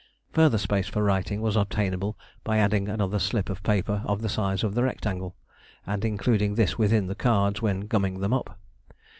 Further space for writing was obtainable by adding another slip of paper of the size of the rectangle, and including this within the cards when gumming them up.